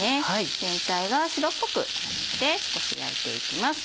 全体が白っぽくなるまで少し焼いていきます。